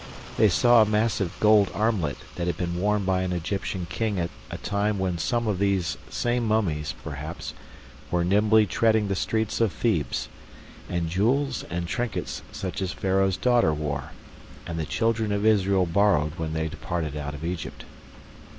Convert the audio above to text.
They saw a massive gold armlet that had been worn by an Egyptian king at a time when some of these same mummies, perhaps, were nimbly treading the streets of Thebes; and jewels and trinkets such as Pharaoh's daughter wore, and the children of Israel borrowed when they departed out of Egypt.